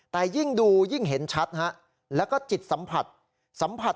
แต่ยิ่งดูยิ่งเห็นชัดฮะแล้วก็จิตสัมผัสสัมผัส